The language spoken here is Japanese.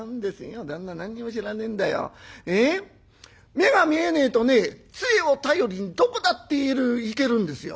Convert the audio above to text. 目が見えねえとねつえを頼りにどこだって行けるんですよ。